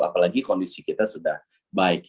apalagi kondisi kita sudah baik